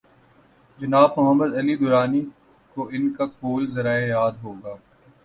جناب محمد علی درانی کوان کا قول زریں یاد ہو گا۔